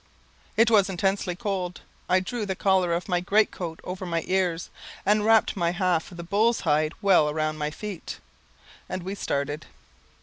It was intensely cold. I drew the collar of my great coat over my ears, and wrapped my half of the bull's hide well round my feet, and we started.